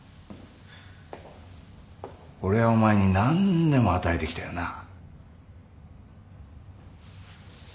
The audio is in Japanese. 俺はお前に何でも与えてきたよな？